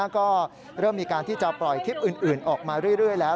ก็เริ่มมีการที่จะปล่อยคลิปอื่นออกมาเรื่อยแล้ว